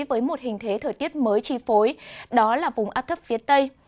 với một hình thế thời tiết mới chi phối đó là vùng áp thấp phía tây